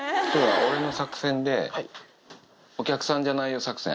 俺の作戦で、お客さんじゃないよ作戦。